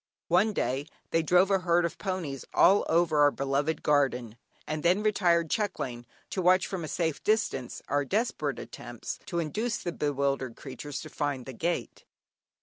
One day, they drove a herd of ponies all over our beloved garden, and then retired chuckling, to watch from a safe distance, our desperate attempts to induce the bewildered creatures to find the gate.